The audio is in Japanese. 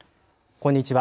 こんにちは。